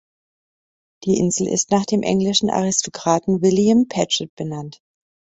Die Insel ist nach dem englischen Aristokraten William Paget benannt.